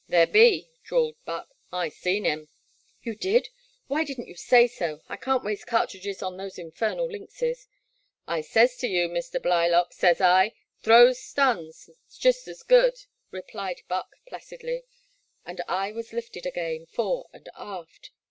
'* There be," drawled Buck, '' I seen him." "You did? Why did n*t you say so I I can't waste cartridges on those infernal lynxes." " I sez to you, Mr. Blylock, sez I, throw stuns, it *s jest as good," replied Buck, placidly; and I was lifted again, fore and aft.